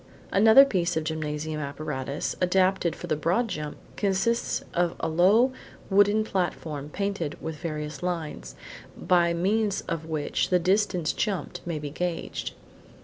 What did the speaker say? Another piece of gymnasium apparatus, adapted for the broad jump, consists of a low wooden platform painted with various lines, by means of which the distance jumped may be gauged.